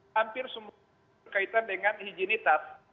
hampir semua berkaitan dengan higienitas